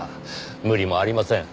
無理もありません。